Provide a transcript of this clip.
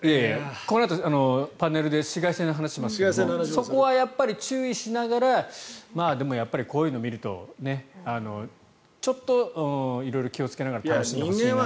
このあとパネルで紫外線の話もしますがそこはやっぱり注意しながらでもやっぱりこういうのを見るとちょっと色々気をつけながら楽しんでほしいなと。